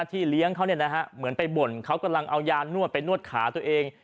เลี้ยงเขาเหมือนไปบ่นเขากำลังเอายานวดไปนวดขาตัวเอง